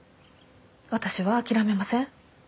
私は諦めません。